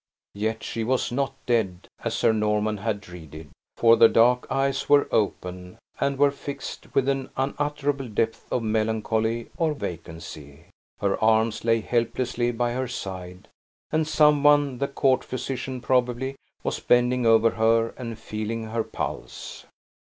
Yet she was not dead, as Sir Norman had dreaded; for the dark eyes were open, and were fixed with an unutterable depth of melancholy on vacancy. Her arms lay helplessly by her side, and someone, the court physician probably, was bending over her and feeling her pulse.